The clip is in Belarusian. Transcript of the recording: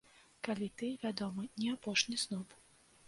Калі ты, вядома, не апошні сноб.